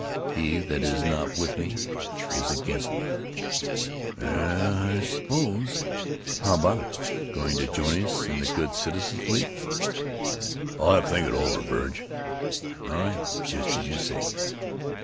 'He that is not with me is against me.'" "Ye es, I suppose " "How about it? Going to join us in the Good Citizens' League?" "I'll have to think it over, Verg." "All right, just as you say."